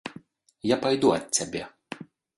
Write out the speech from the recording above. Я пайду ад цябе.